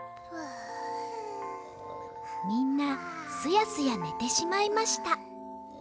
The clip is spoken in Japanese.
みんなすやすやねてしまいました。